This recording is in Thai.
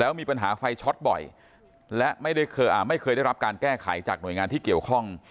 มีปัญหาไฟช็อตบ่อยและไม่เคยได้รับการแก้ไขจากหน่วยงานที่เกี่ยวข้อง